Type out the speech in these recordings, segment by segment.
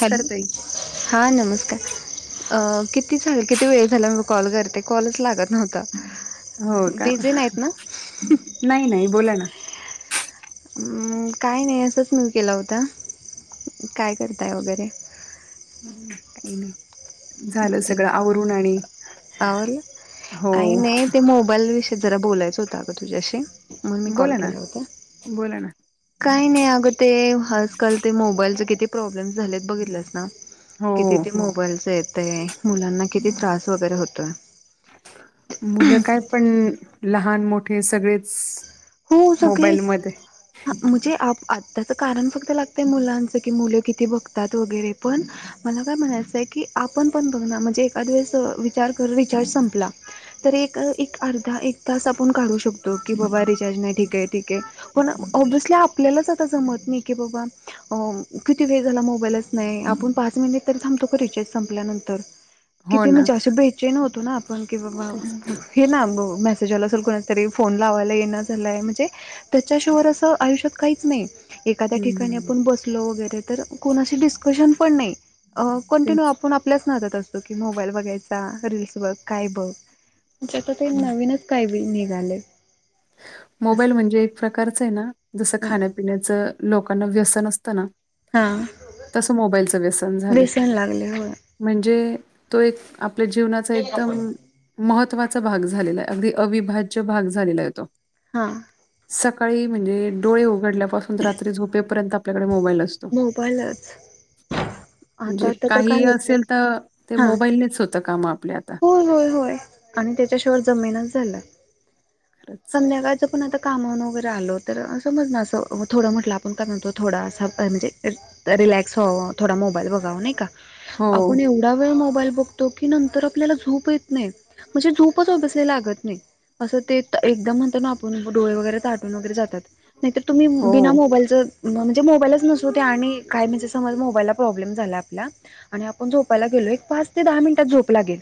Hello ताई. हां नमस्कार. किती ले किती वेळ झाला मी कॉल करते कॉलच लागत नव्हता हो का बिझी नाहीत ना नाही नाही बोला ना. म् काय नाही असंच मी केला होता. काय करताय वगैरे. काही नाही झालं ठीक सगळं आहे आवरून आणि आवरलं हो मग मी कॉल बोला ना केला होता बोला ना काही नाही आगतेे आजकाल ते मोबाईलचे किती प्रॉब्लेम झालेत बघितलंस ना हो किती ते मोबाईलचे आहेत ते मुलांना किती त्रास वगैरे होतोय मुलं काय पण लहान मोठे सगळेच हो सगळेच मोबाईलमध्ये मुझे आप आ त्याच कारण फक्त लागतंय मुलांच कि मुलं किती बघतात वगैरे पण मला काय म्हणायचंय की आपण पण बघ म्हणजे एखाद वेळेस विचार कर विचार संपला तर एक एक अर्धा इतकासा आपण काढू शकतो की बाबा रिस ठिक ठिक हाय पण अ बसल्या आपल्यालाच आता जमत नाही कि बाबा किती वेळ झाला मोबाईलच नाही आपण पाच मिनिट तरी थबतो रिचार्ज संपल्यानंतर हो किती ना म्हणजे अस बेचन होतो ना आपण की बाबा तेच हे ना अनुभव त्याला असल कुणीतरी फोन लावायला येईना झालाय म्हणजे त्याच्याशिवाय असं आयुष्यात काहीच नाही एखाद्या ठिकाणी हम्म आपण बसल वगैरे तर कोणाशी डिस्कशन पण नाही अ कंटिन्यू तेच आपण आपल्याच नादत असतो की मोबाईल बघायचा रीलल्स बघ काय बघ ज्यात ते नवीनच काही ब निघाले मोबाईल असं म्हणजे एक प्रकारच आहे ना जसं खाण्यापिण्याचं लोकांना व्यसन असत ना हा तस मोबाईलचं व्यसन झालंय व्यसन लागले हो म्हणजे तो एक आपल्या जीवनाचा एकदम महत्त्वा भाग झालेला आहे अगदी अविभाज्य भाग झालेला आहे हो तो हा सकाळी म्हणजे डोळे उघडल्यापासून रात्री झोपेपर्यंत आपल्याकडे मोबाईल असतो. मोबाईलच आता म्हणजे आता तर काय काही होतंय असेल तर ते मोबाईलनेच होतं काम आपल्यात हो होय होय आणि त्याच्याशिवाय जमेनच झालय खरंच. संध्याकाळच पण आता कामावरून वगैरे आलो तर समज ना असं थोडं म्हटलं आपण काय म्हणतो थोडासा म्हणजे लेट्स फाॅव थोडा मोबाईल बघाव नाही का हो, आपूण एवढा वेळ मोबाईल बघतो की नंतर आपल्याला झोप येत नाही म्हणजे झोपच अॅडजसली लागत नाही अस ते एकदम म्हणत ना आपून डोळे वगैरे ताटून वगैरे जातात नाहीर तुम्ही बिना हो. मोबाईलच म्हणजे मोबाईलच नसतो आणि काय म्हण समज मोबाईलला प्रॉब्लेम ल्या आपल्या आणि आपण झोपायला गेलोय पाच ते दहा मिनिट झोप लागेल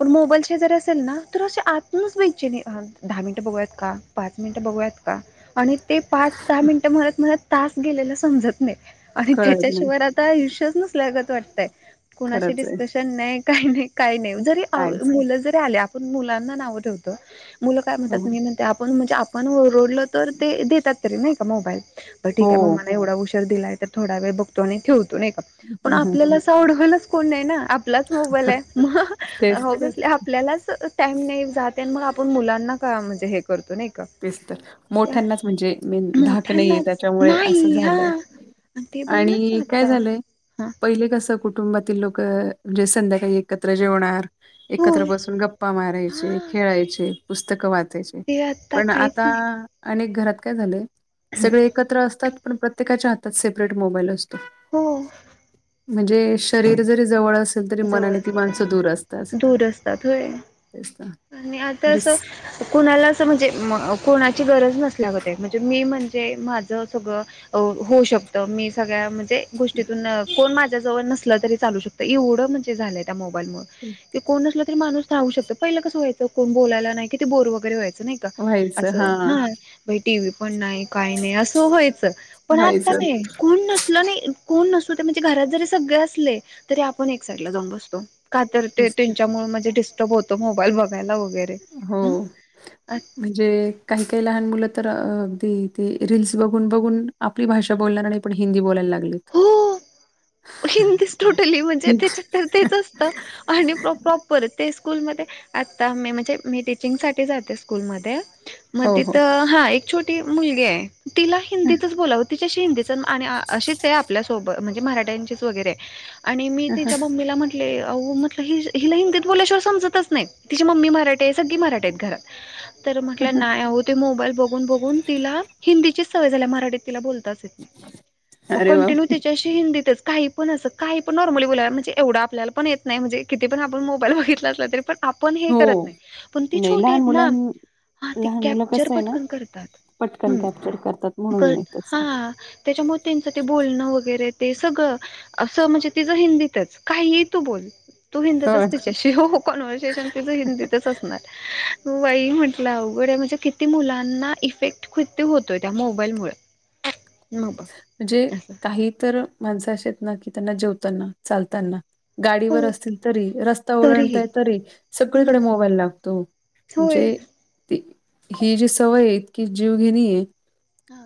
पण मोबाईलचे जर असेल ना तर असे आतूनच बैचैन व्हाल दहा मिनटं बघूयात का पाच मिनटं बघूयात का आणि ते पाच दहा मिनटं म्हणत म्हणत तास गेलेला समजत नाही आणि कळत नाही. त्याच्याशिवाय आता आयुष्यच नसल्यागत वाटत कुणाशी खरंच आहे. डिक्सशन नाही काय नाही काय नाही जरी काहीच नाही. मुल जरी आली मुलांना नांव ठेवतो मुलं काय हो, म्हणातात मी म्हणते आपण म्हणजे आप पण ओरडल तर ते देतात तरी नाही का मोबाईल बरं ठीक आहे हो. मला एवढा उशार दिलाय तर थोडा वेळ बघतो आणि ठेवतो नाही का पण हं, हं, आपल्याला हं. असं आढवायलाच कोण नाही ना आपलाच मोबाईल आहे मग तेच तर, बसली आपल्यालाच टाइम नाही जाते आणि मग आपुण मुलांना का म्हणजे हे करतो नाही का तेच तर त्या मोठ्यांनाच म्हणजे मेन धाक नाहीे मोठ्यांनाच त्याच्यामुळे असं नाही हा झालंय आणि ते बघलच ना आणि काय आता झालंय हा पहिले कस कु कुटुंबातील लोक म्हणजे संध्याकाळी एकत्र जेवणार एकत्र होय बसून गप्पा मारायचे हा खेळायचे पुस्तकं वाचायचे ते पण काहीच आता नाही अनेक घरात काय झालंय सगळे एकत्र असतात पण प्रत्येकाच्या हातात सेपरेट मोबाईल असतो. हो, म्हणजे शरीर जरी जवळ अस जवळ असलं त दूर असतात होय. तेच ना आणि आता म्हणजे असं स कुणाला असं म्हणजे म्ह कोणाची गरज नसल्या गत है म्हणजे मी म्हणजे माझं सगळं होऊ शकतं मी सगळ्या ते गोष्टीतून कोण माझ्या जवळ नसल तरी चालू शकत एवढ म्हणजे झालं त्या मो ते कोण नसल तरी माणूस राहू शकत पहील कस व्हायच कोण बोलायला नाही की ते बोर व गैरे व्हायच. ते नाही का! व्हायचं अस हा ह टी व्ही पण नाही काही नाही असं व्हायचं. पण आता व्हायचं नाही कोण नसल नाही. कोण नसुदे ते म्हणजे घरात जरी सगळे असले तरी आपण एक साईडला जाऊन बसतो. का तर ते दिसत त्यांच्यामुळे म्हणजे डिस्टर्ब होतो मोबाईल बघ हो म्हणजे काही काही लहान मुल तर अ ते ते रीलस बघून बघून आपली भाषा बोलणार नाही पण हिंदी बोलायला लागलेत. हिंदी टोटली म्हणजे त्याच्या तर तेच असतं आणि प्रॉपर ते, स्कूलमध्ये आता मी म्हणजे मी टीचिंग साठी जाते स्कूलमध्ये, मग हो हो तिथ हा एक छोटी मुलगी आहे तिला हिंदीतच बोलावं तिच्याशी हिंदी आणि अशीच आहे आपल्यासोबत म्हणजे मराठ्यांचीच वगैरे आणि मी तिच्या मम्मी लम्हटले, अहो म्हटलं ह हिला हिंदित बोल्याशिवाय समजतच नाही तिची मम्मी मराठी आहे सगळी मराठी आहेत घरात, तर म्हटलं नाहय ओ ते मोबाईल बघून बघून तिला हिंदीचीच सवय झाल्या मराठीत तिला बोलतहा मग अरे वा तिच्याशी कंटिन्यू हिंदीतच, काही पण असं काही पण नॉर्मली बोलाय म्हणजे एवढं आपल्याला पण य नाही, म्हणजे कीती पण आपण मोबाईल बघितला असला तरी पण, आपण हे हो करत नाही पण ती नाही छोटे लहान आहेत ना मुलां हा ते लहान मुलं कॅप्चर कसं आहे ना पटकन करतात. पटकन कॅप्चर करतात म्हणून हाम नाही तसं हा त्याच्यामुळे त्यांच ते बोलणं वगैरे, ते सगळं असं म्हणजे तिझ हिंदीतच काहीही तू बोल तू हो हिंदीतच तिच्याशी हो कन्व्हर्सेशन तिझ हिंदीतच असणार. वाई म्हंटलं अवघड म्हणजे किती मुलांना इफेक्ट कती होतोय त्या मोबाईल मूळ. अ म्हणजे काही तर माणस अशे आहेत ना की त्यांना जेवताना चालताना गाडीवर हो असतील तरी रस्ता तरीही ओलांडताय तरी सगळीकडे हम्म मोबाईल लागतो. होय. म्हणजे ही जी सवय आहे, ती जीवघेणी आहे. हा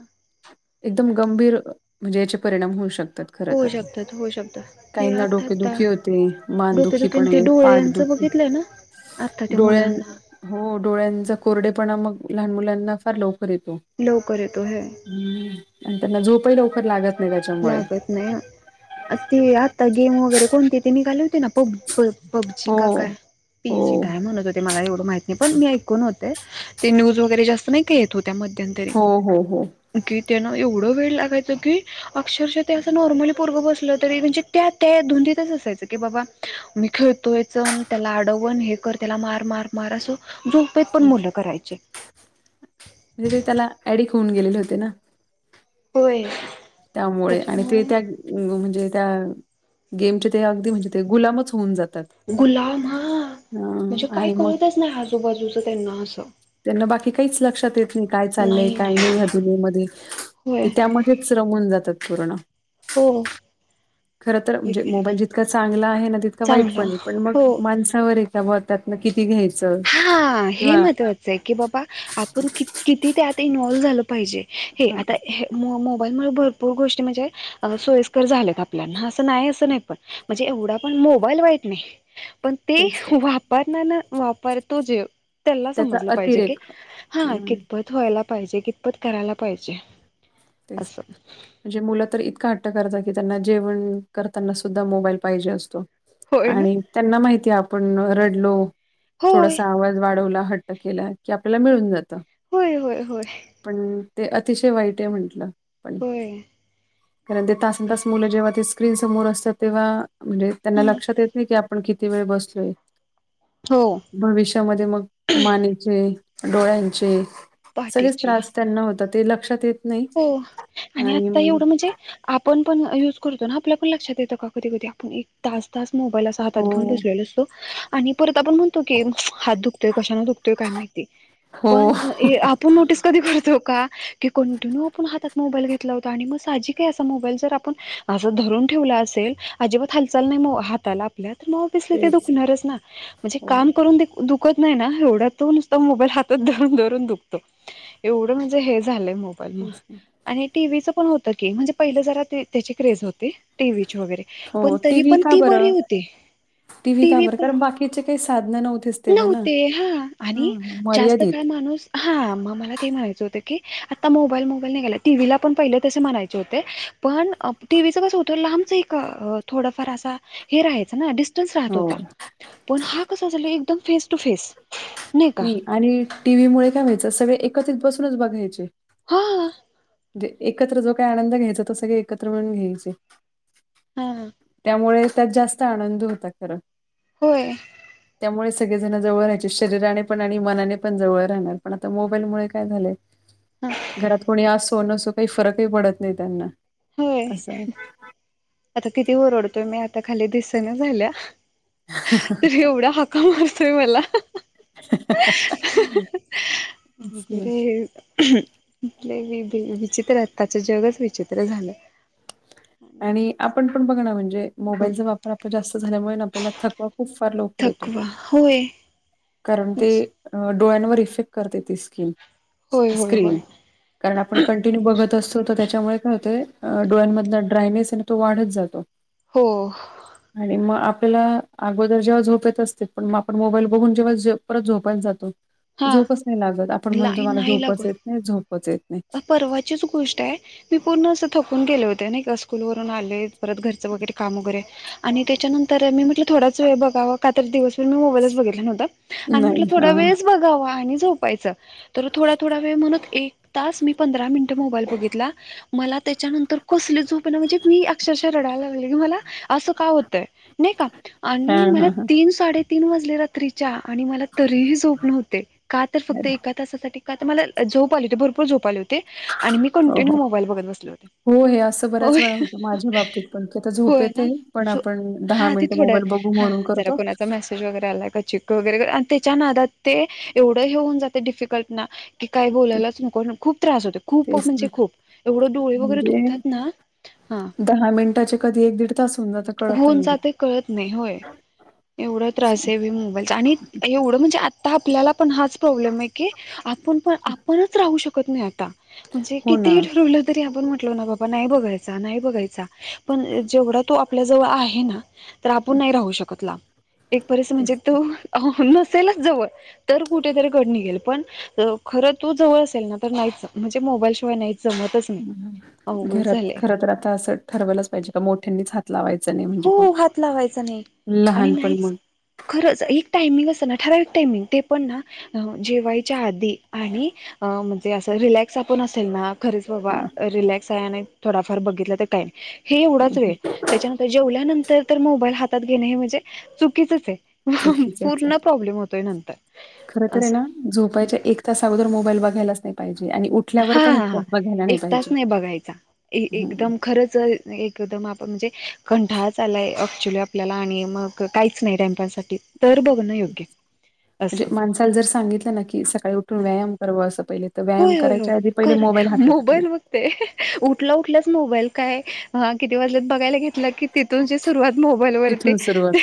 एकदम गंभीर म्हणजे याचे परिणाम होऊ शकत. होऊ शकतात होऊ शकतात ते आतातता डोकेदुखी होते मानदुखी डोकेदुकेन पण ते आहे डोळे यांच बघ पाठदुखी बघितलं ना? आता त्या डोळ्यां मुलांना हो डोळ्यांचा कोरडेपणा मग लहान मुलांना फार लवकर लवकर येतो लवकर येतो हे हम आणि त्यांना झोपही लवकर लागत नाही. त्याच्यामुळे लागत नाही ते आता गेम वगैरे कोणते ते निघाले होती ना पब पबजी हो की काय हो पीजी काय म्हणत होते मला काय एवढ माहिती पण ते ऐकून होते न्यूज वगैरे जास्त नाय का येत होते, त्या मध्यंतरी हो हो हो कि त्यान एवढ वेड लागायच की अक्षेषा ते अस नॉर्मली पोरग बसल तरी म्हणजे त्या त्या धुंदीतच असायच की बाब मी खेळ तोचण त्याला अडवण हे कर त्याला मार मार मार अस झोपेत पण मुलं करायची. म्हणजे ते त्याला ऍडिक होऊन गेलेले होते ना? होय त्यामुळे आणि ते त्या त्याच्यामुळे त्या गेमच्या अगदी म्हणजे गुलामच होऊन जात गुलाम हा म्हणजे काय आणि मग कळतच नाय आजूबाजूच त्याना अस त्यांना बाकी काहीच लक्षात येत नाही काय चाललंय काय नाही या दुनियेमध्ये, ते होय. त्यामध्येच रमून जातात पूर्ण. हो. खर तर मोबाईल जितका चांगला आहे ना तितका वाईट चांगला पण मग हो माणसावर आहे. त्यामुळे त्यातन किती घ्यायचं हां, हे किंवा महत्त्वाचं की बाबा आपण क किती त्या आत इन्वॉल्व्ह झालं पाहिजे. हे हां, आता मोबाईलमुळे भरपूर गोष्टी म्हणजे सोयीस्कर झाल्यात. आपल्याना असं नाही अस नाही पण म्हणजे एवढा पण मोबाईल वाईट नाही. पण ते तेच तर. वापरणार ना वापरतो जेव त्याला त्याचा समजलं पाहिजे की अतिरेक हा हं, कितपत व्हायला पाहिजे कितपत करायला पाहिजे. तेच असं. म्हणजे मुलं तर इतका त्यांना जेवण करनाना सुद्धा मोबाईल लहिजे असतो होय ना? आणि त्यां माहि ते आपण रडलो होय, थोडासा आवाज वाढवला हट्ट केला की आपल्याला मिळून जातो. होय होय होय. ते अतिशय वाईट आहे म्हंटलं पण होय. कारण ते तासन तास मुलं जेव्हा तेच स्क्रीन समोर असतात तेव्हा म्हणजे त्यांना हं, लक्षात येत नाही की आपण किती वेळ बसलोय. हो. भविष्यामध्ये मग मानेचे डोळ्यांचे सगळेच पहाटेची. त्रास त्यांना होत ते लक्षात येत. नाही हो आणि आता एवढं म्हणजे आपण पण य तो ना आपल्या पण लक्षात येतं का कधी कधी आपण एक तास तास मोबाईल अस हातात घेऊन हो, बसलेल असतो. आ आपण म्हणतो की हात दुखतोय कशानना दुखतोय काय माहिती. पण हो आपण नोटीस कधी करतो का. कटीनू आपण हातात मोबाईल घेतला होता आणि म साजीक आहे अस मोबाईल जर आपन असं धरून ठेवला असेल. अजिबात हालचाल नाही हाताला आपल्या तर मग ऑफिसला तेच. दुखणारच ना म्हणजे हो, काम करूनु दुखत नाही ना एवड्यात तो नुसत मोबाईल हातत धरून धरुन दुखतो एवढ म्हणजे हे झालय तेच ना. आणि टीव्हीच पण होतं की म्हणजे पहिलं जरा त्याची क्रेज होते टीव्हीची वगैरे पण हो, तरी टीव्ही पण का ती बरी बरं? होते का टीव्ही बरं? पन कारण बाकीचे काही साधनं नव्हतीच तेव्हा ना. नव्हते हा आणि हां, जास्त काळ मर्यादित. मला ते म्हणायचं होतकी. आता मोबाईल मोबाईल निघाले टीव्हीला पण पहिले तसे म्हणायचे होते पण टीव्हीचं कस होतं लांबचं एक थोडफार अस हे राहायच. हो पण हा क फस टू फेस नाही आणि टीव्ही मुळ काय व्हायचं सगळे एकत्रित बसूनच बघायचे. हा. म्हजे एकत्र जो काही आनंद घ्यायचा तो सगळे एकत्र म्हणून घ्यायचे. हा मुळे त्यात जास्त आनंद होता खरं. होय. त्यामुळे सगळेजण जवळ राहायचे शरीराने पण आणि मनाने पण जवळ राहणार पण आता मोबाईलमुळे काय झालं. हां, घरात कोणी असो नसो काही फरकही पडत नाही त्यांना. होय असं. आता किती ओरडतोय मी आता खाली दिसन झाल्या तर एवढा हका मारतो. मला. हम्म्. वि विचित्र त्याच जगच विचित्र झालं. आणि. आणि आपण पण बघ ना म्हणजे. मोबाईलचा वापर आप जास्त झाल्यामुळे आपल्याला थकवा खूप फार लवकर येतो. थकवा होय कारण ते डोळ्यांवर इफेक्ट करते ते स्किन. होय होय स्क्रिनन होय कारण आपण कंटिन्यू बघत असतो तर. त्यामुळे काय होते डोळ्यांमधला ड्रायनेस आहे आणि तो वाढत जातो. हो आणि मग आप आपल्याला अगोदर जेव्हा झोप येत असते पण मग आपण मोबाईल बघून जेव्हा परत झोपायला जातो हा झोपच नाही लागत आपण म्हणतो लाईन मला नाही झोपच लागत येत नाही झोपच येत नाही परवाचीच गोष्ट आहे मी पूर्ण असं थकून गेले होते नाही का स्कूलवरून आले परत घरचे वैगरे काम वैगरे आणि त्याच्यांनतर म्हटलं थोड्याच बघा व का तर दिवसभर मी मोबाईलच बघितला नव्हता आणि म्हटलं नाही थोडयच हां. वेळच बघावा आणि झोपायचं तर थोडा थोडा वेळ म्हणतं एक तास मी पंधरा मिनिट मोबाईल बघितला. मला त्याच्यानंतर कसली झोप ना म्हणजे मी अक्षरशः रडायला लागले की मला असं काय होतंय आणि हां, मला हां, हां. तीन साडे तीन वाजलेला रात्रीच्या आणि मला तरीही झोप नव्हते का तर फक्त अरे, एका तासासाठी का मला झोप आले होते भरपूर झोप आले होते आणि मी हो, कंटिन्यू हो. मोबाईल बघत बसले होते. हो हे असं बऱ्याच होय वेळा होतं माझ्या बाबतीत पण की तर झोप होय येत ना पण जो आपण दहा हा ते मिनटं थोडं मोबाईल बघु हा जरा कोणाचा मेसेज वगैरे आलाय चेक वैगरे त्याच्या नादात ते एवढं हेऊन जाते डिफिकल्ट ना की काय ते बोलायलाच खूप त्रास होते खूप तेच ना म्हणजे खूप एवढं डोळे वगैरे म्हणजे दुखतात ना हा मिनिटाचे कधी तास होऊन जातं कळतही होऊन नाही. जाते कळतं नाही होय एवढा त्रास आहे व मोबाईलचा आणि एवढं म्हण म्हणजे आता आपल्याला पण हाच प्रॉब्लेम आहे की आपण पण आपणच राहू शकत नाही आता म्हणजे हो ना किती ठरवलं तरी आपण ना बाबा नाही बघायचं नाही बघायचं पण जेवढा तो आपल्या जवळ आहे ना तर आपण नाही राहू शकत लांब एक परस म्हणजे तेच तर. तो जवळ कुठे तरी कड निघेल पण खरंच जवळ असेल ना तर नाहीच म्हणजे मोबाईल शिवाय नाही जमतच अवघड घरात झालंय खरं तर आता असं ठरवलंच पाहिजे का मोठ्यांनीच हात लावायचं हो हात लावायचा नाही आणि लहानपण नाहीच मग खरंच एक टायमिंग जेवायच्या आधी सोप असेल ना खरीच हां, रिलॅक्स आहे आणि थोडाफार बघितला तर काय हे हं, एवढाच वेळ हं. त्याच्यानतर नंतर तर मोबाईल हातात घेणे म्हणजे चुकीच आहे चुकीचंच पूर्ण आहे. प्रॉब्लेम होतोय नंतर खरं तर आहे असं ना झोपायच्या एक तास अगोदर मोबाईल बघायलाच नाही पाहिजे आणि उठल्यावर हा पण एक हा हा तास बघा एक तास नाही बघायचा एकदम खरंच एकदम आपण म्हणजे कंठाळच आलाय अक्च्युली आपल्याला आणि मग काहीच नाही टाइमपास पुर्ण योग्य. म्हणजे माणसाला जर सांगितलं ना की सकाळी उठून व्यायाम करावं असं पहिले तर व्यायाम होय होय करायचं मोबाईल बघते मोबाईल काय किती वाज बघायला म्हणजे की तिथून जे सुरुवात मोबाईल वती तिथून सुरुवात.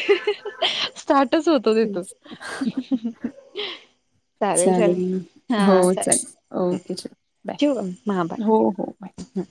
स्टार्टच होत तिथून तेच. हा चालेल हो चालेल ओके बाय. ठेवू का हा हो, हो. बाय.